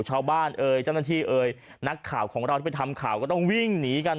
เอ่ยเจ้าหน้าที่เอ่ยนักข่าวของเราที่ไปทำข่าวก็ต้องวิ่งหนีกัน